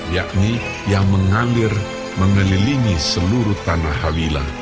yakni yang mengalir mengelilingi seluruh tanah habila